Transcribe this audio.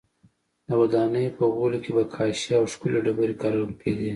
د ودانیو په غولي کې به کاشي او ښکلې ډبرې کارول کېدې